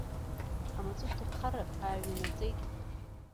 Амаҵурҭа ԥхаррак ааҩнанаҵеит.